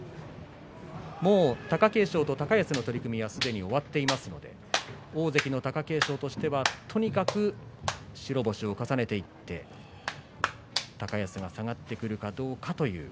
もう貴景勝と高安の取組はすでに終わっていますので大関の貴景勝としてはとにかく白星を重ねていって高安が下がってくるかどうかという。